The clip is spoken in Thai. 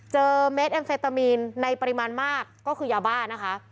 เม็ดเอ็มเฟตามีนในปริมาณมากก็คือยาบ้านะคะ